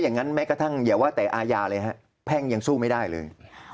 ทั้งยาว่าแต่อายาเลยฮะแพ่งยังสู้ไม่ได้เลย